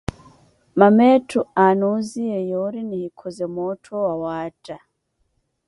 Mama etthu aanusiye yoori nihikhoze moottho wawaatta.